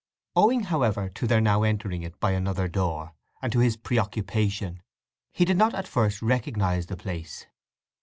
Owing, however, to their now entering it by another door, and to his preoccupation, he did not at first recognize the place.